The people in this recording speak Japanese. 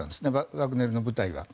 ワグネルの部隊は。